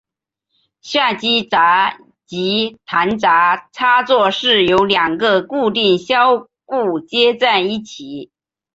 下机匣及弹匣插座是由两个固定销固接在一起。